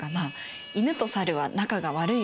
犬と猿は仲が悪いよね。